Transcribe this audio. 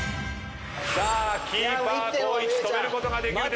さあキーパー光一止めることができるでしょうか？